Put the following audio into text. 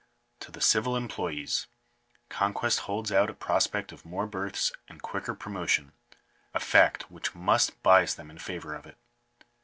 To the civil employes, conquest holds out a prospect of more berths and quicker promotion — a fact which must bias them in favour of it.